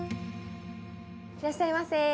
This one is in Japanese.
いらっしゃいませ。